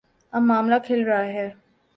اب معاملہ کھل رہا ہے۔